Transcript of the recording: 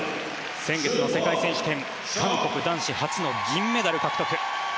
先月の世界選手権韓国男子初の銀メダル獲得。